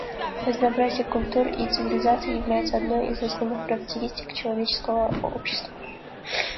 Разнообразие культур и цивилизаций является одной из основных характеристик человеческого общества.